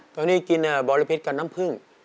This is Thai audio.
อเจมส์ตอนนี้กินบ่อละเพชรกับน้ำผึ้ง